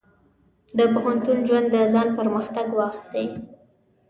د پوهنتون ژوند د ځان پرمختګ وخت دی.